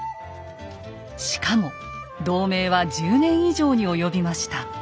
しかも同盟は１０年以上に及びました。